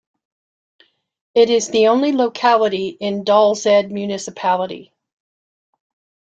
It is the only locality in Dals-Ed Municipality.